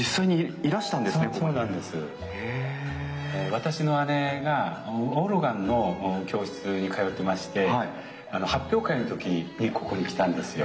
私の姉がオルガンの教室に通ってまして発表会の時にここに来たんですよ。